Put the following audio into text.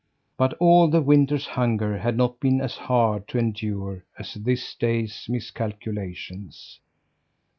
But all the winter's hunger had not been as hard to endure as this day's miscalculations.